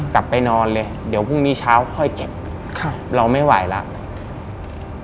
กลับไปนอนเลยเดี๋ยวพรุ่งนี้เช้าค่อยเจ็บครับเราไม่ไหวแล้ว